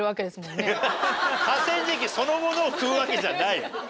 河川敷そのものを食うわけじゃないよ。